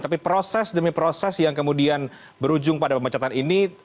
tapi proses demi proses yang kemudian berujung pada pemecatan ini